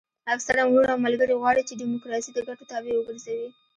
اکثره وروڼه او ملګري غواړي چې ډیموکراسي د ګټو تابع وګرځوي.